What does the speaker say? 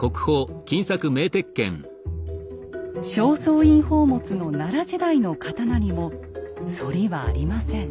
正倉院宝物の奈良時代の刀にも反りはありません。